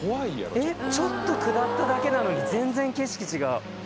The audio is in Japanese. ちょっと下っただけなのに全然景色違う。